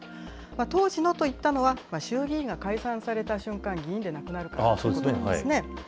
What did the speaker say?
当時のと言ったのは、衆議院が解散された瞬間、議員でなくなるからなんですね。